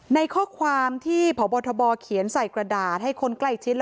ในข้อความที่พบทบเขียนใส่กระดาษให้คนใกล้ชิด